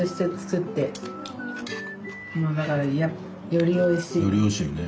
よりおいしいね。